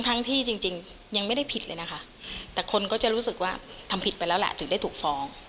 ทั้งที่จริงยังไม่ได้ผิดเลยนะคะแต่คนก็จะรู้สึกว่าทำผิดไปแล้วแหละถึงได้ถูกฟ้อง